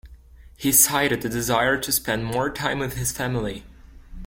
He cited a desire to spend more time with his family.